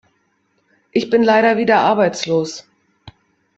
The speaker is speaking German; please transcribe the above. Ich bin leider wieder arbeitslos.